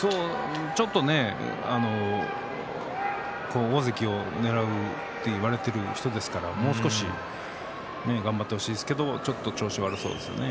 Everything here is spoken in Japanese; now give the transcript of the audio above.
ちょっとね大関をねらうと言われている人ですからもう少し頑張ってほしいですけどちょっと調子悪そうですね。